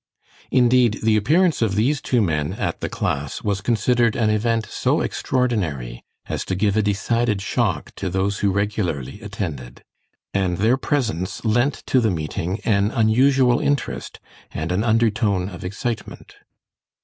Indeed the appearance of these two men at the class was considered an event so extraordinary as to give a decided shock to those who regularly attended, and their presence lent to the meeting an unusual interest, and an undertone of excitement.